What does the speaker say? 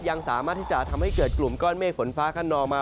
ยังสามารถที่จะทำให้เกิดกลุ่มก้อนเมฆฝนฟ้าขนองมา